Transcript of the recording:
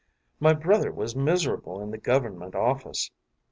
My brother was miserable in the government office.